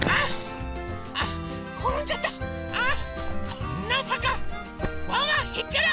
こんなさかワンワンへっちゃら！